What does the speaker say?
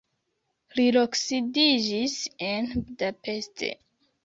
Li loksidiĝis en Budapest.